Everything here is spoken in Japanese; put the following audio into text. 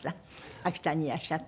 秋田にいらっしゃって。